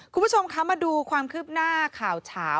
คุณผู้ชมคะมาดูความคืบหน้าข่าวเฉา